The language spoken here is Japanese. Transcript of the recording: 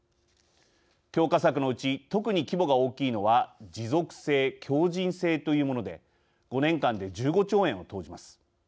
強化策のうち特に規模が大きいのは持続性、強じん性というもので５年間で１５兆円を投じます。